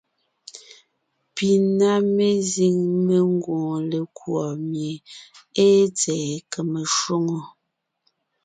Pi ná mezíŋ mengwoon lekùɔ mie ée tsɛ̀ɛ kème shwòŋo.